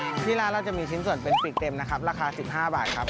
ที่ร้านเราจะมีชิ้นส่วนเป็นปีกเต็มนะครับราคาสิบห้าบาทครับ